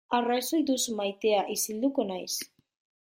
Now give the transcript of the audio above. Arrazoi duzu maitea, isilduko naiz.